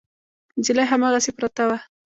نجلۍ هماغسې پرته وه.